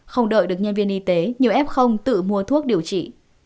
không đợi được nhân viên y tế nhiều f tự mua thuốc điều trị